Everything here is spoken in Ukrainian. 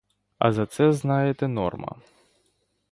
А за це, знаєте, норма.